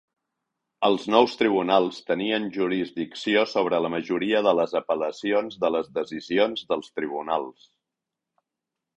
Els nous tribunals tenien jurisdicció sobre la majoria de les apel·lacions de les decisions dels tribunals.